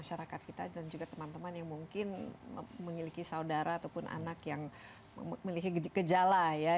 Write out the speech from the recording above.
masyarakat kita dan juga teman teman yang mungkin memiliki saudara ataupun anak yang memiliki gejala ya